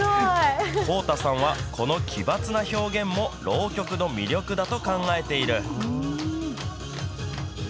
幸太さんはこの奇抜な表現も、浪曲の魅力だと考えている。